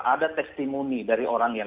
ada testimoni dari orang yang